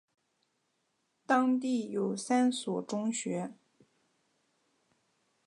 当地有三所中学。